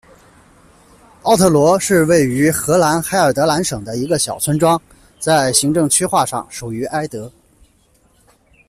奥特罗是位于荷兰海尔德兰省的一个小村庄，在行政区划上属于埃德。